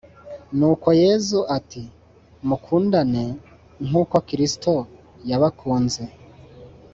Nuko Yezu ati “mukundane nkuko kristo yabakunze”